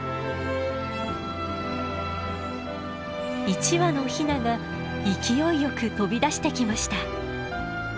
一羽のヒナが勢いよく飛び出してきました。